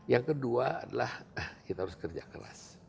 yang kedua adalah kita harus kerja keras